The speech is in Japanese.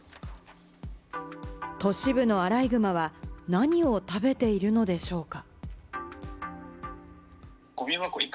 都市部のアライグマは何を食べているのでしょうか？